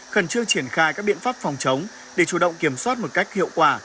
khẩn trương triển khai các biện pháp phòng chống để chủ động kiểm soát một cách hiệu quả